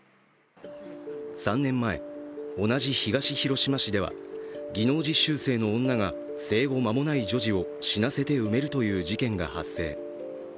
３年前、同じ東広島市では技能実習生の女が生後間もない女児を死なせて埋めるという事件が発生。